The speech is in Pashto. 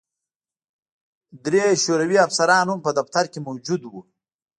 درې شوروي افسران هم په دفتر کې موجود وو